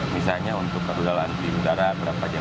misalnya untuk rudal di udara berapa jarak jangkau